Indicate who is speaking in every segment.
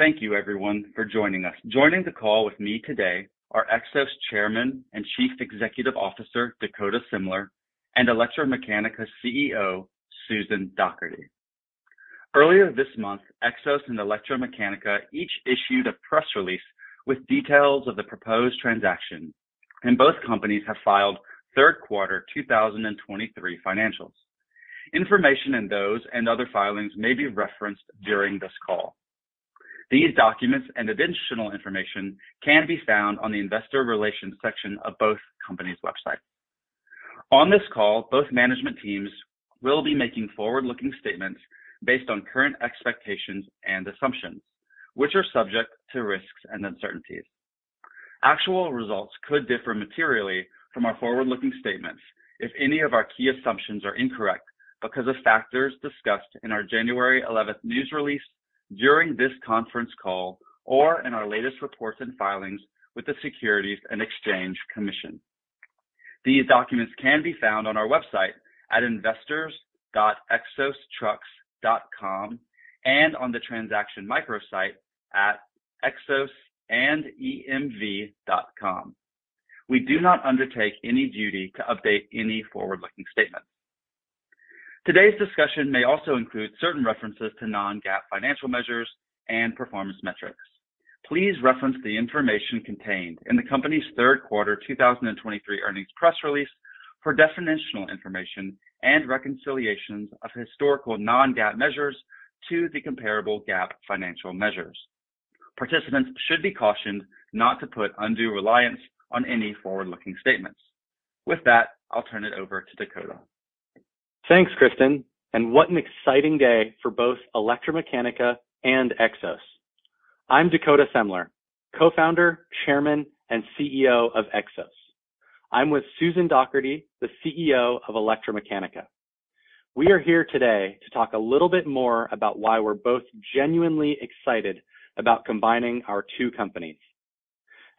Speaker 1: Thank you everyone for joining us. Joining the call with me today are Xos Chairman and Chief Executive Officer, Dakota Semler, and ElectraMeccanica CEO, Susan Docherty. Earlier this month, Xos and ElectraMeccanica each issued a press release with details of the proposed transaction, and both companies have filed third quarter 2023 financials. Information in those and other filings may be referenced during this call. These documents and additional information can be found on the investor relations section of both companies' websites. On this call, both management teams will be making forward-looking statements based on current expectations and assumptions, which are subject to risks and uncertainties. Actual results could differ materially from our forward-looking statements if any of our key assumptions are incorrect because of factors discussed in our January 11 news release, during this conference call, or in our latest reports and filings with the Securities and Exchange Commission. These documents can be found on our website at investors.xostrucks.com and on the transaction microsite at xosandemv.com. We do not undertake any duty to update any forward-looking statement. Today's discussion may also include certain references to non-GAAP financial measures and performance metrics. Please reference the information contained in the company's third quarter 2023 earnings press release for definitional information and reconciliations of historical non-GAAP measures to the comparable GAAP financial measures. Participants should be cautioned not to put undue reliance on any forward-looking statements. With that, I'll turn it over to Dakota.
Speaker 2: Thanks, Christen, and what an exciting day for both ElectraMeccanica and Xos. I'm Dakota Semler, Co-founder, Chairman, and CEO of Xos. I'm with Susan Docherty, the CEO of ElectraMeccanica. We are here today to talk a little bit more about why we're both genuinely excited about combining our two companies.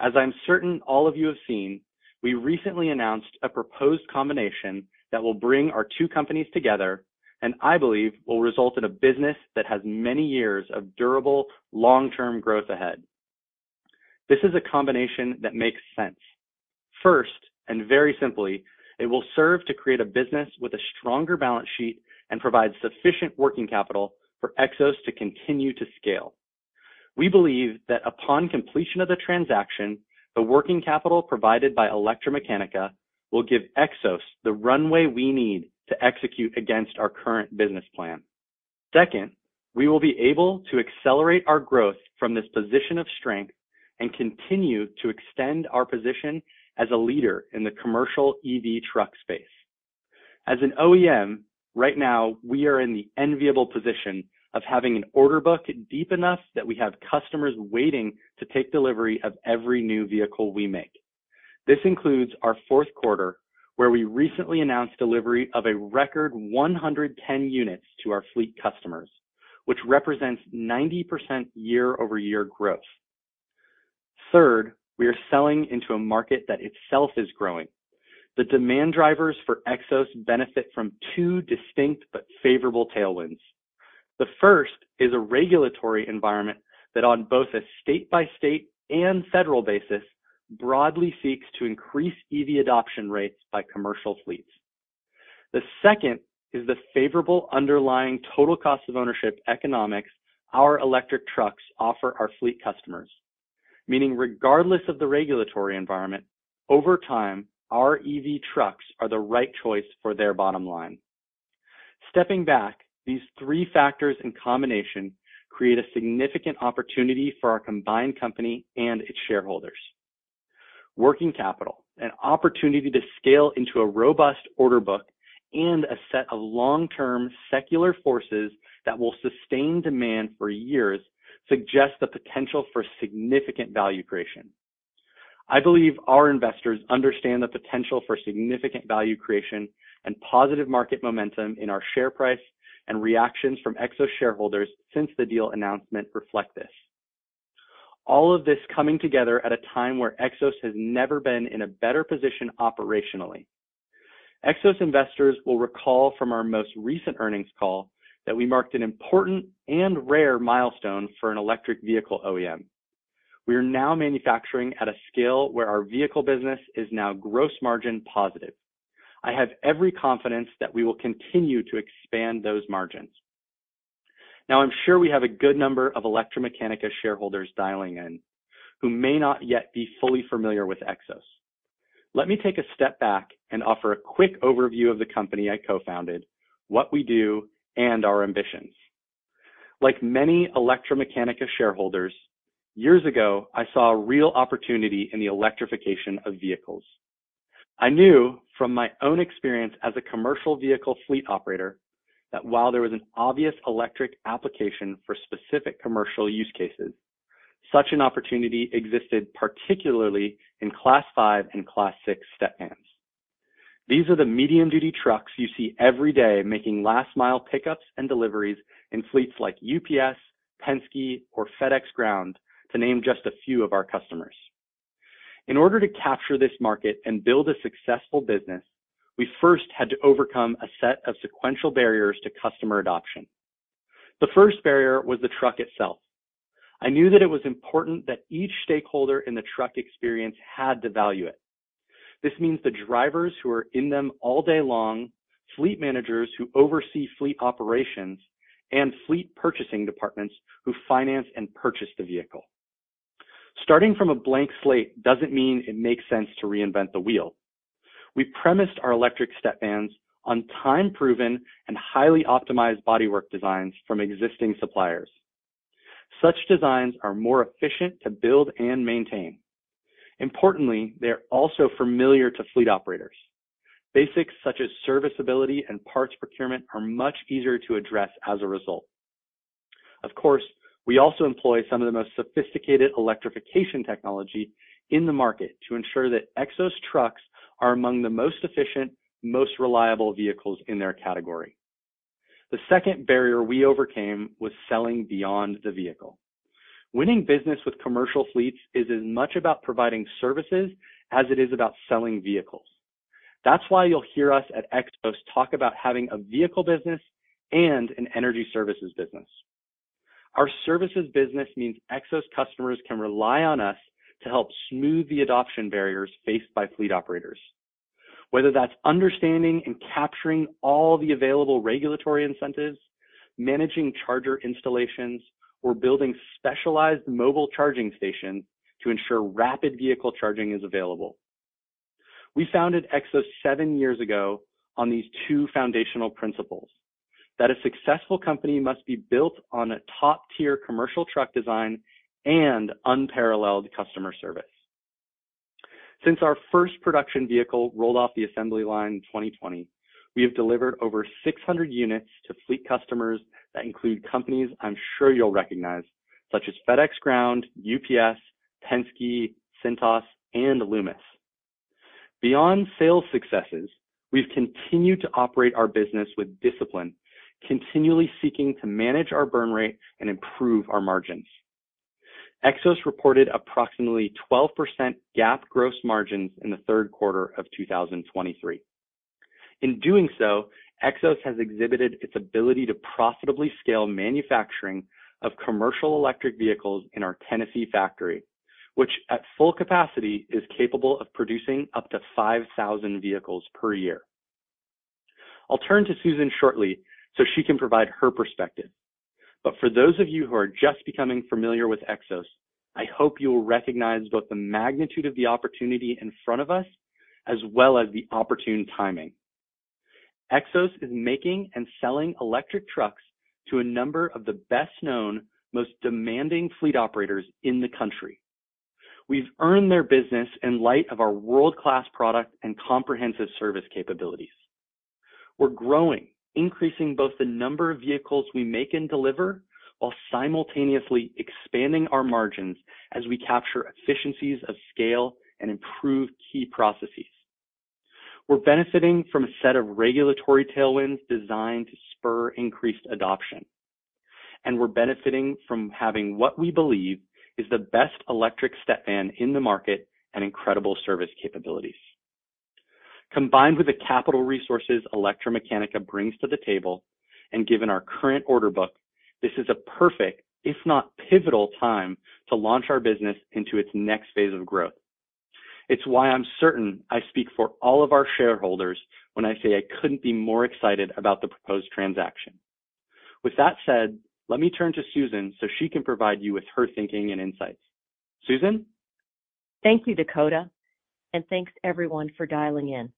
Speaker 2: As I'm certain all of you have seen, we recently announced a proposed combination that will bring our two companies together, and I believe will result in a business that has many years of durable, long-term growth ahead. This is a combination that makes sense. First, and very simply, it will serve to create a business with a stronger balance sheet and provide sufficient working capital for Xos to continue to scale. We believe that upon completion of the transaction, the working capital provided by ElectraMeccanica will give Xos the runway we need to execute against our current business plan. Second, we will be able to accelerate our growth from this position of strength and continue to extend our position as a leader in the commercial EV truck space. As an OEM, right now, we are in the enviable position of having an order book deep enough that we have customers waiting to take delivery of every new vehicle we make. This includes our fourth quarter, where we recently announced delivery of a record 110 units to our fleet customers, which represents 90% year-over-year growth. Third, we are selling into a market that itself is growing. The demand drivers for Xos benefit from two distinct but favorable tailwinds. The first is a regulatory environment that on both a state-by-state and federal basis, broadly seeks to increase EV adoption rates by commercial fleets. The second is the favorable underlying total cost of ownership economics our electric trucks offer our fleet customers, meaning regardless of the regulatory environment, over time, our EV trucks are the right choice for their bottom line. Stepping back, these three factors in combination create a significant opportunity for our combined company and its shareholders. Working capital, an opportunity to scale into a robust order book, and a set of long-term secular forces that will sustain demand for years, suggest the potential for significant value creation. I believe our investors understand the potential for significant value creation and positive market momentum in our share price, and reactions from Xos shareholders since the deal announcement reflect this. All of this coming together at a time where Xos has never been in a better position operationally. Xos investors will recall from our most recent earnings call, that we marked an important and rare milestone for an electric vehicle OEM. We are now manufacturing at a scale where our vehicle business is now gross margin positive. I have every confidence that we will continue to expand those margins. Now, I'm sure we have a good number of ElectraMeccanica shareholders dialing in, who may not yet be fully familiar with Xos. Let me take a step back and offer a quick overview of the company I co-founded, what we do, and our ambitions. Like many ElectraMeccanica shareholders, years ago, I saw a real opportunity in the electrification of vehicles. I knew from my own experience as a commercial vehicle fleet operator, that while there was an obvious electric application for specific commercial use cases, such an opportunity existed, particularly in Class 5 and Class 6 step vans. These are the medium-duty trucks you see every day making last mile pickups and deliveries in fleets like UPS, Penske, or FedEx Ground, to name just a few of our customers. In order to capture this market and build a successful business, we first had to overcome a set of sequential barriers to customer adoption. The first barrier was the truck itself. I knew that it was important that each stakeholder in the truck experience had to value it. This means the drivers who are in them all day long, fleet managers who oversee fleet operations, and fleet purchasing departments who finance and purchase the vehicle. Starting from a blank slate doesn't mean it makes sense to reinvent the wheel. We premised our electric step vans on time-proven and highly optimized bodywork designs from existing suppliers. Such designs are more efficient to build and maintain. Importantly, they're also familiar to fleet operators. Basics such as serviceability and parts procurement are much easier to address as a result. Of course, we also employ some of the most sophisticated electrification technology in the market to ensure that Xos trucks are among the most efficient, most reliable vehicles in their category. The second barrier we overcame was selling beyond the vehicle. Winning business with commercial fleets is as much about providing services as it is about selling vehicles. That's why you'll hear us at Xos talk about having a vehicle business and an energy services business. Our services business means Xos customers can rely on us to help smooth the adoption barriers faced by fleet operators, whether that's understanding and capturing all the available regulatory incentives, managing charger installations, or building specialized mobile charging stations to ensure rapid vehicle charging is available. We founded Xos seven years ago on these two foundational principles, that a successful company must be built on a top-tier commercial truck design and unparalleled customer service. Since our first production vehicle rolled off the assembly line in 2020, we have delivered over 600 units to fleet customers that include companies I'm sure you'll recognize, such as FedEx Ground, UPS, Penske, Cintas, and Loomis. Beyond sales successes, we've continued to operate our business with discipline, continually seeking to manage our burn rate and improve our margins. Xos reported approximately 12% GAAP gross margins in the third quarter of 2023. In doing so, Xos has exhibited its ability to profitably scale manufacturing of commercial electric vehicles in our Tennessee factory, which at full capacity, is capable of producing up to 5,000 vehicles per year. I'll turn to Susan shortly so she can provide her perspective. But for those of you who are just becoming familiar with Xos, I hope you will recognize both the magnitude of the opportunity in front of us, as well as the opportune timing. Xos is making and selling electric trucks to a number of the best-known, most demanding fleet operators in the country. We've earned their business in light of our world-class product and comprehensive service capabilities. We're growing, increasing both the number of vehicles we make and deliver, while simultaneously expanding our margins as we capture efficiencies of scale and improve key processes. We're benefiting from a set of regulatory tailwinds designed to spur increased adoption, and we're benefiting from having what we believe is the best electric step van in the market and incredible service capabilities. Combined with the capital resources ElectraMeccanica brings to the table, and given our current order book, this is a perfect, if not pivotal, time to launch our business into its next phase of growth. It's why I'm certain I speak for all of our shareholders when I say I couldn't be more excited about the proposed transaction. With that said, let me turn to Susan so she can provide you with her thinking and insights. Susan?
Speaker 3: Thank you, Dakota, and thanks everyone for dialing in.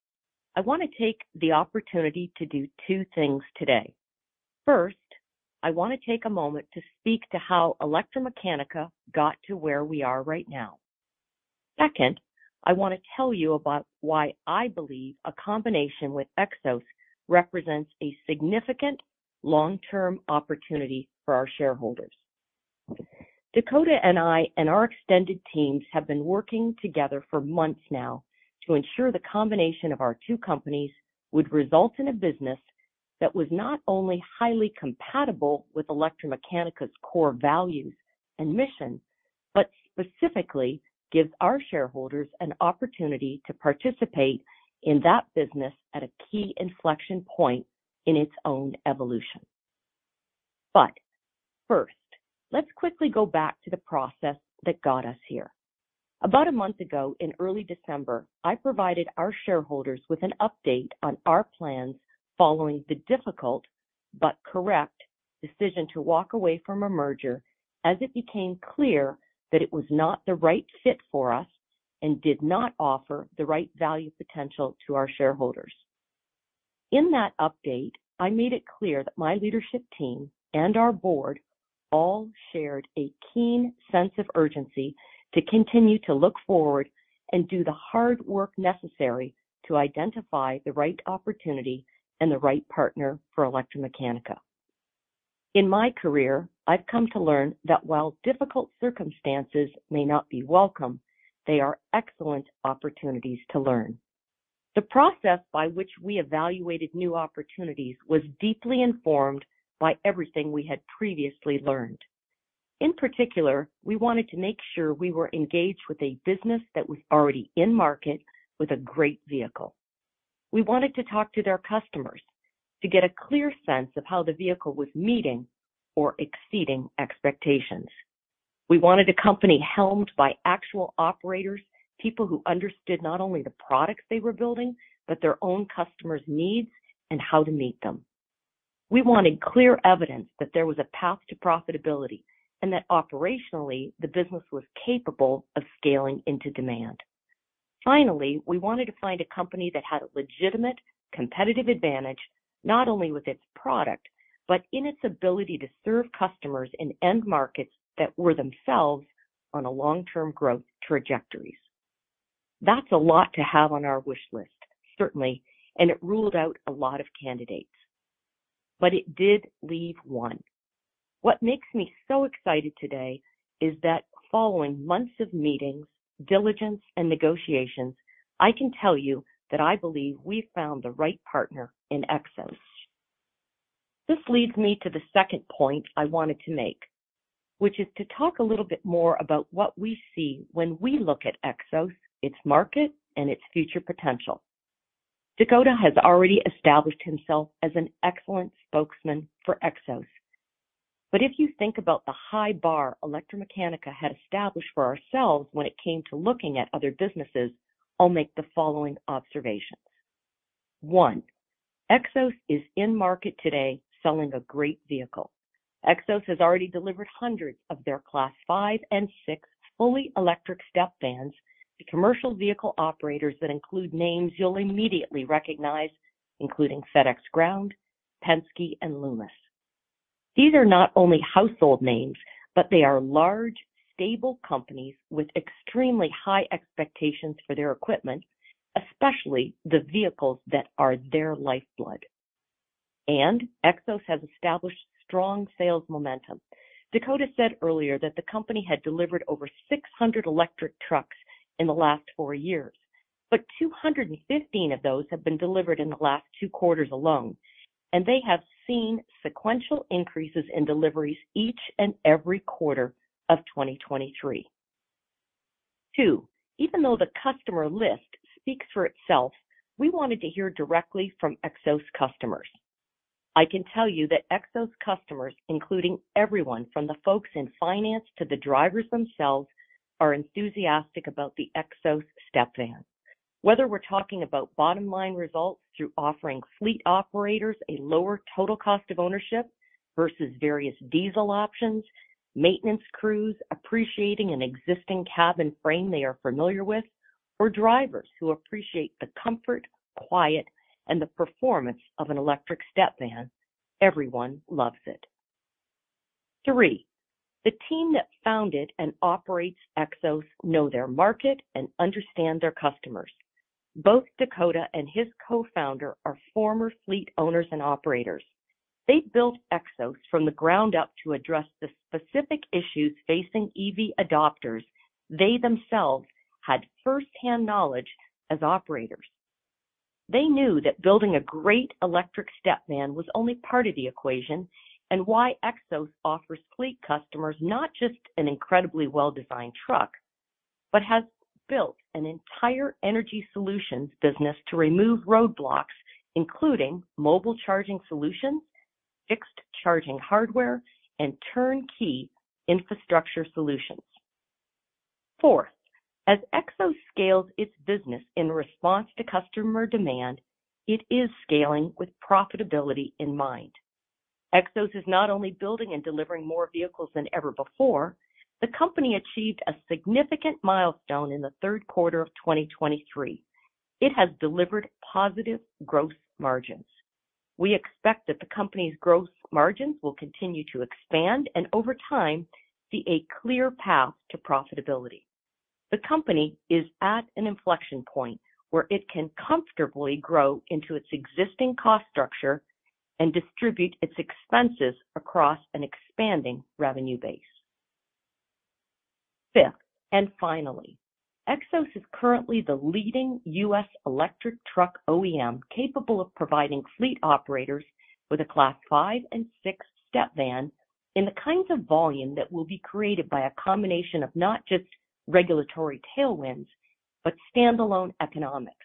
Speaker 3: I want to take the opportunity to do two things today. First, I want to take a moment to speak to how ElectraMeccanica got to where we are right now. Second, I want to tell you about why I believe a combination with Xos represents a significant long-term opportunity for our shareholders. Dakota and I and our extended teams have been working together for months now to ensure the combination of our two companies would result in a business that was not only highly compatible with ElectraMeccanica's core values and mission, but specifically gives our shareholders an opportunity to participate in that business at a key inflection point in its own evolution. But first, let's quickly go back to the process that got us here. About a month ago, in early December, I provided our shareholders with an update on our plans following the difficult but correct decision to walk away from a merger, as it became clear that it was not the right fit for us and did not offer the right value potential to our shareholders. In that update, I made it clear that my leadership team and our board all shared a keen sense of urgency to continue to look forward and do the hard work necessary to identify the right opportunity and the right partner for ElectraMeccanica. In my career, I've come to learn that while difficult circumstances may not be welcome, they are excellent opportunities to learn.... The process by which we evaluated new opportunities was deeply informed by everything we had previously learned. In particular, we wanted to make sure we were engaged with a business that was already in market with a great vehicle. We wanted to talk to their customers to get a clear sense of how the vehicle was meeting or exceeding expectations. We wanted a company helmed by actual operators, people who understood not only the products they were building, but their own customers' needs and how to meet them. We wanted clear evidence that there was a path to profitability and that operationally, the business was capable of scaling into demand. Finally, we wanted to find a company that had a legitimate competitive advantage, not only with its product, but in its ability to serve customers in end markets that were themselves on a long-term growth trajectories. That's a lot to have on our wish list, certainly, and it ruled out a lot of candidates, but it did leave one. What makes me so excited today is that following months of meetings, diligence, and negotiations, I can tell you that I believe we found the right partner in Xos. This leads me to the second point I wanted to make, which is to talk a little bit more about what we see when we look at Xos, its market, and its future potential. Dakota has already established himself as an excellent spokesman for Xos. But if you think about the high bar ElectraMeccanica had established for ourselves when it came to looking at other businesses, I'll make the following observations. One, Xos is in market today selling a great vehicle. Xos has already delivered hundreds of their Class 5 and 6 fully electric step vans to commercial vehicle operators that include names you'll immediately recognize, including FedEx Ground, Penske, and Loomis. These are not only household names, but they are large, stable companies with extremely high expectations for their equipment, especially the vehicles that are their lifeblood. Xos has established strong sales momentum. Dakota said earlier that the company had delivered over 600 electric trucks in the last four years, but 215 of those have been delivered in the last two quarters alone, and they have seen sequential increases in deliveries each and every quarter of 2023. Too, even though the customer list speaks for itself, we wanted to hear directly from Xos customers. I can tell you that Xos customers, including everyone from the folks in finance to the drivers themselves, are enthusiastic about the Xos Step Van. Whether we're talking about bottom-line results through offering fleet operators a lower total cost of ownership versus various diesel options, maintenance crews appreciating an existing cabin frame they are familiar with, or drivers who appreciate the comfort, quiet, and the performance of an electric Step Van, everyone loves it. Three, the team that founded and operates Xos know their market and understand their customers. Both Dakota and his co-founder are former fleet owners and operators. They built Xos from the ground up to address the specific issues facing EV adopters. They themselves had firsthand knowledge as operators. They knew that building a great electric step van was only part of the equation, and why Xos offers fleet customers not just an incredibly well-designed truck, but has built an entire energy solutions business to remove roadblocks, including mobile charging solutions, fixed charging hardware, and turnkey infrastructure solutions. Fourth, as Xos scales its business in response to customer demand, it is scaling with profitability in mind. Xos is not only building and delivering more vehicles than ever before, the company achieved a significant milestone in the third quarter of 2023. It has delivered positive gross margins. We expect that the company's gross margins will continue to expand and over time, see a clear path to profitability. The company is at an inflection point where it can comfortably grow into its existing cost structure and distribute its expenses across an expanding revenue base. Fifth, and finally, Xos is currently the leading U.S. electric truck OEM, capable of providing fleet operators with a Class 5 and 6 step van in the kinds of volume that will be created by a combination of not just regulatory tailwinds, but standalone economics,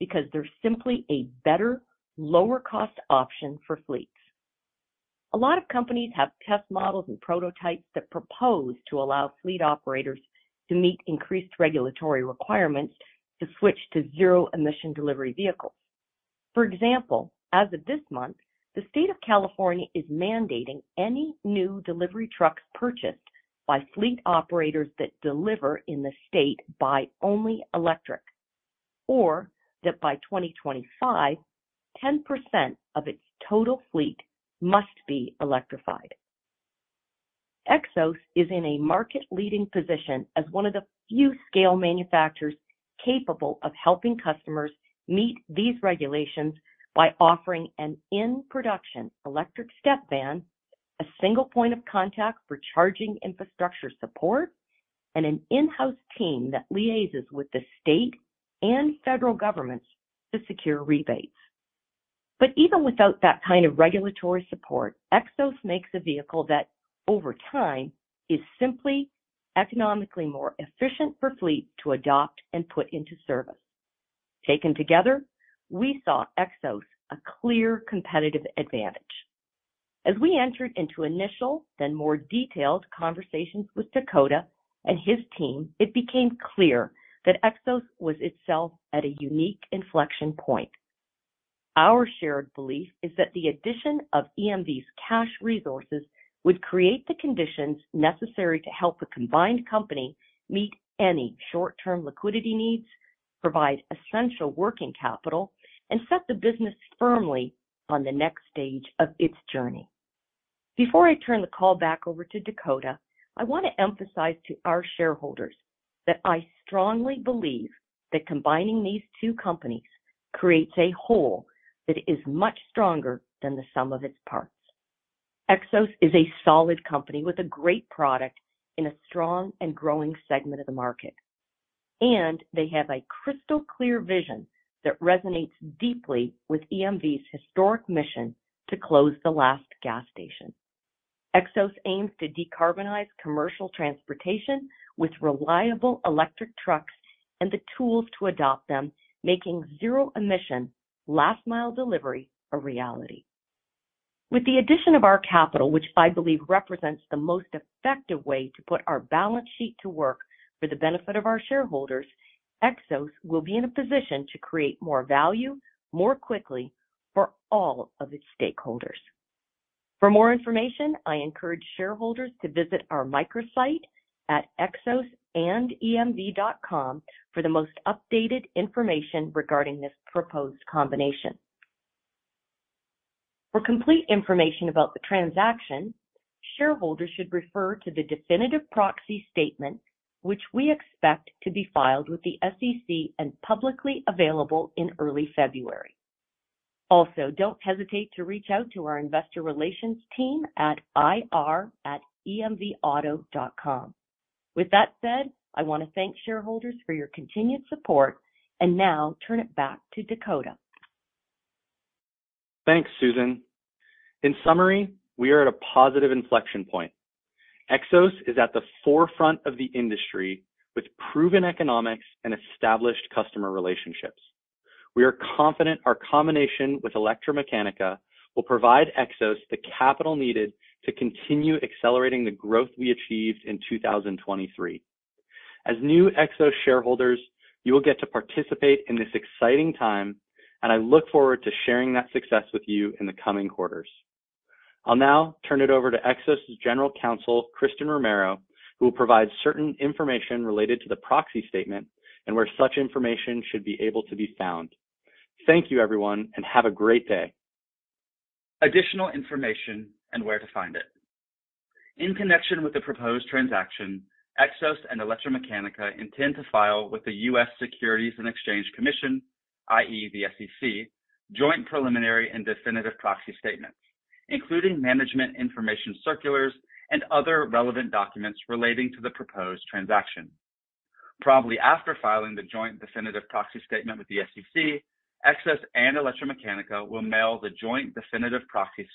Speaker 3: because they're simply a better, lower cost option for fleets. A lot of companies have test models and prototypes that propose to allow fleet operators to meet increased regulatory requirements to switch to zero-emission delivery vehicles. For example, as of this month, the state of California is mandating any new delivery trucks purchased by fleet operators that deliver in the state buy only electric, or that by 2025, 10% of its total fleet must be electrified. Xos is in a market-leading position as one of the few scale manufacturers capable of helping customers meet these regulations by offering an in-production electric step van, a single point of contact for charging infrastructure support, and an in-house team that liaises with the state and federal governments to secure rebates. But even without that kind of regulatory support, Xos makes a vehicle that, over time, is simply economically more efficient for fleet to adopt and put into service. Taken together, we saw Xos a clear competitive advantage. As we entered into initial, then more detailed conversations with Dakota and his team, it became clear that Xos was itself at a unique inflection point. Our shared belief is that the addition of EMV's cash resources would create the conditions necessary to help the combined company meet any short-term liquidity needs, provide essential working capital, and set the business firmly on the next stage of its journey. Before I turn the call back over to Dakota, I want to emphasize to our shareholders that I strongly believe that combining these two companies creates a whole that is much stronger than the sum of its parts. Xos is a solid company with a great product in a strong and growing segment of the market, and they have a crystal clear vision that resonates deeply with EMV's historic mission to close the last gas station. Xos aims to decarbonize commercial transportation with reliable electric trucks and the tools to adopt them, making zero-emission last mile delivery a reality. With the addition of our capital, which I believe represents the most effective way to put our balance sheet to work for the benefit of our shareholders, Xos will be in a position to create more value more quickly for all of its stakeholders. For more information, I encourage shareholders to visit our microsite at xosandemv.com for the most updated information regarding this proposed combination. For complete information about the transaction, shareholders should refer to the definitive proxy statement, which we expect to be filed with the SEC and publicly available in early February. Also, don't hesitate to reach out to our investor relations team at ir@emvauto.com. With that said, I want to thank shareholders for your continued support, and now turn it back to Dakota.
Speaker 2: Thanks, Susan. In summary, we are at a positive inflection point. Xos is at the forefront of the industry with proven economics and established customer relationships. We are confident our combination with ElectraMeccanica will provide Xos the capital needed to continue accelerating the growth we achieved in 2023. As new Xos shareholders, you will get to participate in this exciting time, and I look forward to sharing that success with you in the coming quarters. I'll now turn it over to Xos's General Counsel, Christen Romero, who will provide certain information related to the proxy statement and where such information should be able to be found. Thank you, everyone, and have a great day.
Speaker 1: Additional information and where to find it. In connection with the proposed transaction, Xos and ElectraMeccanica intend to file with the U.S. Securities and Exchange Commission, i.e., the SEC, joint preliminary and definitive proxy statements, including management information circulars and other relevant documents relating to the proposed transaction. Probably after filing the joint definitive proxy statement with the SEC, Xos and ElectraMeccanica will mail the joint definitive proxy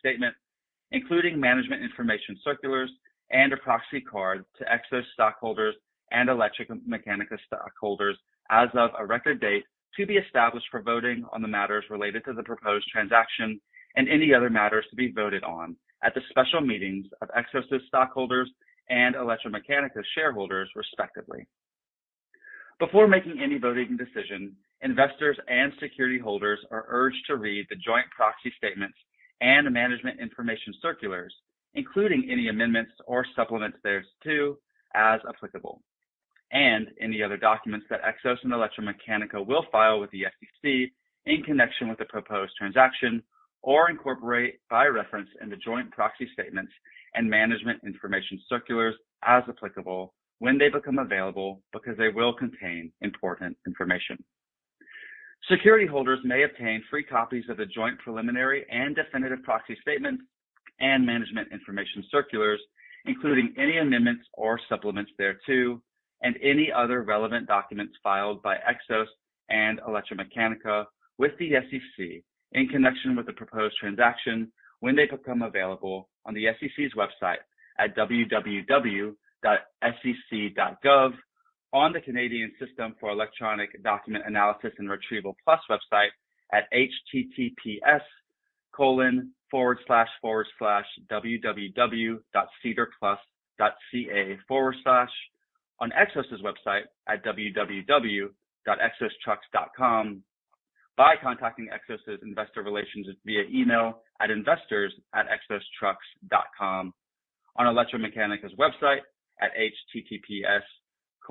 Speaker 1: statement, including management information circulars and a proxy card, to Xos stockholders and ElectraMeccanica stockholders as of a record date to be established for voting on the matters related to the proposed transaction and any other matters to be voted on at the special meetings of Xos's stockholders and ElectraMeccanica shareholders, respectively. Before making any voting decision, investors and security holders are urged to read the joint proxy statements and the management information circulars, including any amendments or supplements thereto, as applicable, and any other documents that Xos and ElectraMeccanica will file with the SEC in connection with the proposed transaction or incorporate by reference in the joint proxy statements and management information circulars, as applicable, when they become available, because they will contain important information. Security holders may obtain free copies of the joint preliminary and definitive proxy statements and management information circulars, including any amendments or supplements thereto, and any other relevant documents filed by Xos and ElectraMeccanica with the SEC in connection with the proposed transaction when they become available on the SEC's website at www.sec.gov, on the Canadian System for Electronic Document Analysis and Retrieval Plus website at https://www.sedarplus.ca/, on Xos's website at www.xostrucks.com, by contacting Xos's investor relations via email at investors@xostrucks.com, on ElectraMeccanica's website at https://ir.emvauto.com,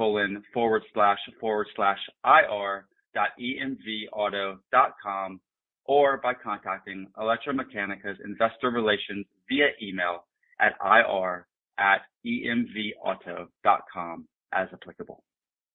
Speaker 1: or by contacting ElectraMeccanica's investor relations via email at ir@emvauto.com, as applicable.